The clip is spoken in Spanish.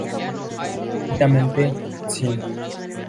Obviamente, sí.